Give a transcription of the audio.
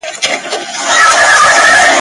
د تیارو د شیطان غرونه یو په بل پسي ړنګېږي ..